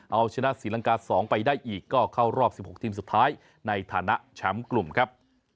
เอาชนะศรีลังกา๒ไปได้อีกก็เข้ารอบ๑๖ทีมสุดท้ายในฐานะแชมป์กลุ่มครับ